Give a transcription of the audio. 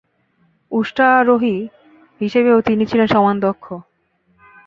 উষ্ট্রারোহী হিসেবেও তিনি ছিলেন সমান দক্ষ।